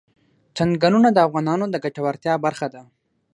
چنګلونه د افغانانو د ګټورتیا برخه ده.